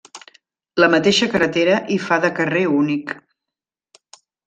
La mateixa carretera hi fa de carrer únic.